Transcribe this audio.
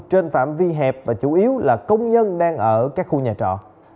trên phạm vi hẹp và chủ yếu là công nhân đang ở các khu nhà trọ